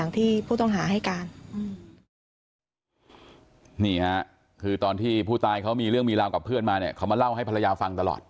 นี่ค่ะคือตอนที่ผู้ตายเขามีเรื่องมีราวกับเพื่อนมาเนี่ยเขามาเล่าให้ภรรยาฟังตลอด